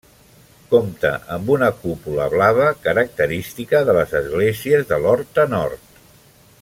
Compta amb una cúpula blava, característica de les esglésies de l'Horta Nord.